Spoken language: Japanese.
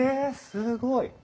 すごい。